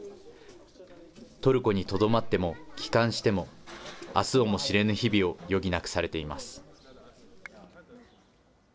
トルコにとどまっても帰還しても、あすをも知れぬ日々を余儀なくされています。